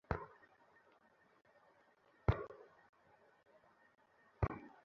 আমি তোমাকে ছেলের মতই দেখি।